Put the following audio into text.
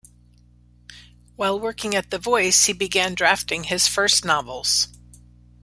While working at the "Voice", he began drafting his first novels.